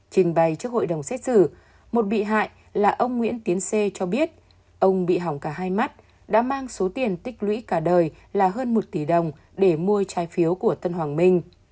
trình bày trước hội đồng xét xử một bị hại là ông nguyễn tiến xê cho biết ông bị hỏng cả hai mắt đã mang số tiền tích lũy cả đời là hơn một tỷ đồng để mua trái phiếu của tân hoàng minh